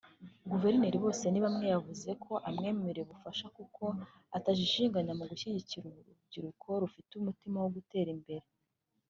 Guverineri Bosenibamwe yavuze ko “amwemereye ubufasha kuko atajijinganya mu gushyigikira urubyiruko rufite umutima wo gutera imbere